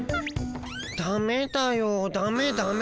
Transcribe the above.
ダメだよダメダメ。